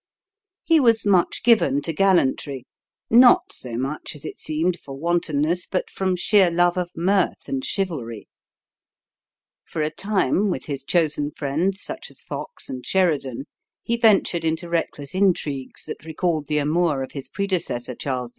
He was much given to gallantry not so much, as it seemed, for wantonness, but from sheer love of mirth and chivalry. For a time, with his chosen friends, such as Fox and Sheridan, he ventured into reckless intrigues that recalled the amours of his predecessor, Charles II.